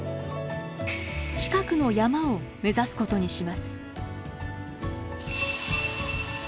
近くの山を目指すことにします。